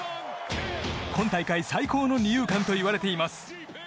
今大会最高の二遊間と言われています。